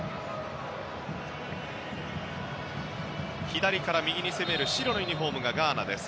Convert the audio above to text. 左から右に攻める白のユニホームがガーナです。